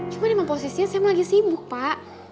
cuma dia mau posisi yang sam lagi sibuk pak